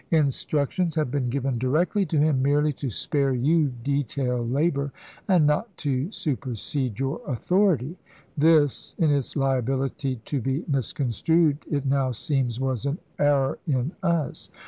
Instructions have been ^ven directly to him merely to spare you detail labor, and not to supersede your authority. This, in its liability to be misconstrued, it now seems was an error in us.